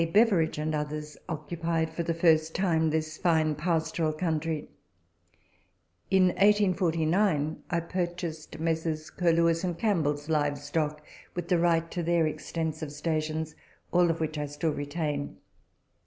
Beveridge, and others, occupied for the first time this fine pastoral country. In 1849 I purchased Messrs. Curlewis and Campbell's live stock, with the right to their extensive stations, all which I still retain.